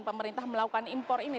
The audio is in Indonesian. pemerintah melakukan impor ini